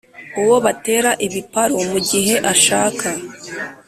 uwo batera ibiparu mu gihe ashaka